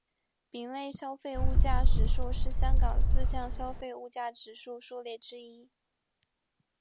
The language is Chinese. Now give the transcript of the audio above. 丙类消费物价指数是香港四项消费物价指数数列之一。